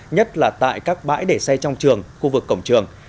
nhất là tại các bãi để xe trong trường khu vực cổng trường